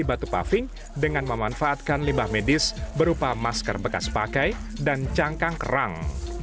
batu paving dengan memanfaatkan limbah medis berupa masker bekas pakai dan cangkang kerang